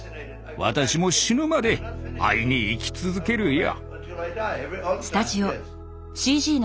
私も死ぬまで会いに行き続けるよ。